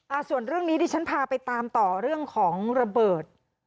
ส่วนเรื่องนี้ดิฉันพาไปตามต่อเรื่องของระเบิด